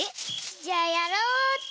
じゃあやろうっと。